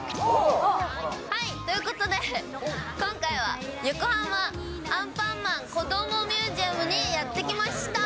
はい、ということで、今回は横浜アンパンマンこどもミュージアムにやって来ましたー。